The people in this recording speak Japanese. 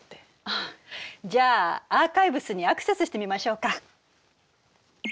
じゃあアーカイブスにアクセスしてみましょうか。